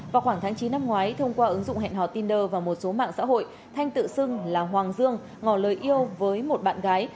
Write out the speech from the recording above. vào khoảng tháng chín năm ngoái thông qua ứng dụng hẹn hò tinder và một số mạng xã hội thanh tự xưng là hoàng dương ngỏ lời yêu với một bạn gái